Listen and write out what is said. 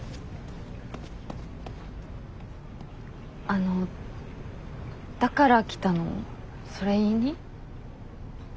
あのだから来たの？それ言いに？